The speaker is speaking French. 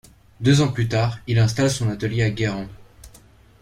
Deux ans plus tard, il installe son atelier à Guérande.